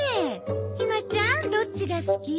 ひまちゃんどっちが好き？